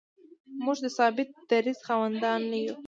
موږ د ثابت دریځ خاوندان نه یو.